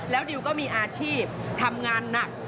แล้วดิวก็มีอาชีพทำงานหนัก